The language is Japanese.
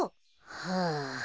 はあ。